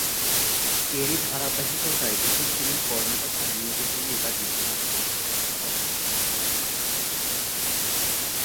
এরই ধারাবাহিকতায় দ্বিতীয় শ্রেণির কর্মকর্তা নিয়োগের জন্য এবার বিধিমালা সংশোধন করা হলো।